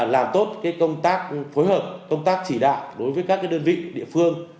làm tốt công tác phối hợp công tác chỉ đạo đối với các đơn vị địa phương